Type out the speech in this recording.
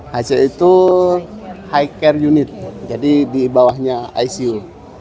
hasil itu high care unit jadi di bawahnya icu